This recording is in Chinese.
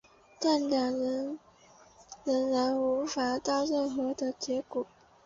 但两人仍然无法有任何结果。